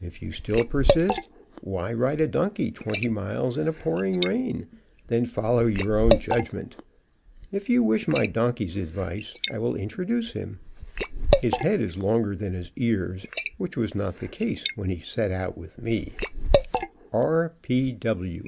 If you still persist, why, ride a donkey twenty miles in a pouring rain, then follow your own judgment. If you wish my donkey's advice, I will introduce him. His head is longer than his ears, which was not the case when he set out with me. R.